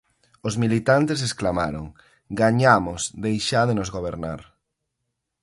Os militantes exclamaron: "Gañamos, deixádenos gobernar".